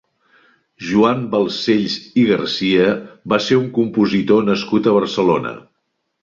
Joan Balcells i Garcia va ser un compositor nascut a Barcelona.